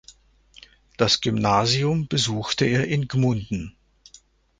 Das Gymnasium besuchte er in Gmunden.